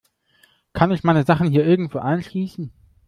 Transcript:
Kann ich meine Sachen hier irgendwo einschließen?